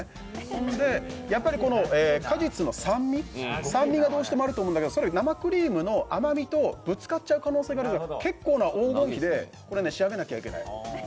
ほんで、果実の酸味がどうしてもあると思うんだけどそれ、生クリームの甘みとぶつかっちゃう可能性があるので、結構な黄金比で仕上げなきゃいけないんだと。